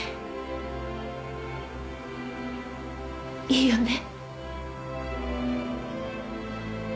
いいよね？